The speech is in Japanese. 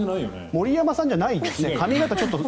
森山さんじゃないですね。